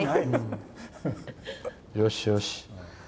よしよし。